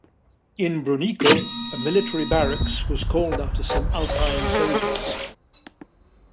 In Brunico a military barracks was called after some Alpine soldiers.